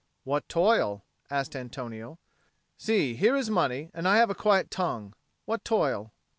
"What toil?" asked Antonio. "See, here is money, and I have a quiet tongue. What toil?"